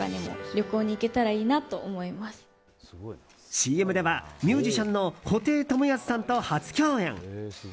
ＣＭでは、ミュージシャンの布袋寅泰さんと初共演。